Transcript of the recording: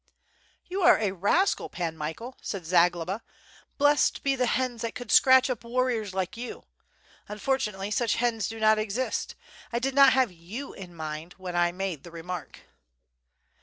"You are a rascal. Pan Michael," said Zagloba. "Blessed be the hens that could scratch up warrors like you; unfor tunately such hens do not exist. I did not have you in mind when I made the remark.